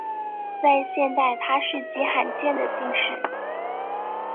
在现代它是极罕见的姓氏。